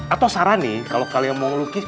atau saran nih kalau kalian mau lukis